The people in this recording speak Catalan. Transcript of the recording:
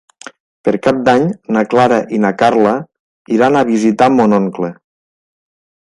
Per Cap d'Any na Clara i na Carla iran a visitar mon oncle.